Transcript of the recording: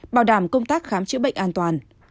bảo đảm công tác khám chữa bệnh an toàn